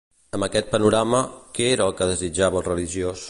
Amb aquest panorama, què era el que desitjava el religiós?